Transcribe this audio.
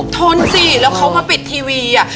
ทนสิแล้วเขามาปิดทีวี